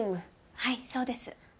はいそうです。